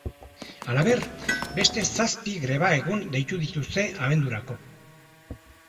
Halaber, beste zazpi greba egun deitu dituzte abendurako.